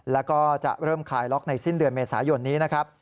แล้วก็จะเริ่มคลายล็อกในสิ้นเดือนเมษายนนี้นะครับ